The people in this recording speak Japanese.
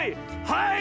はい！